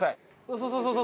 そうそうそうそう！